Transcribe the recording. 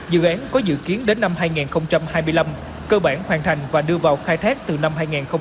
dự án có dự kiến đến năm hai nghìn hai mươi năm cơ bản hoàn thành và đưa vào khai thác từ năm hai nghìn hai mươi hai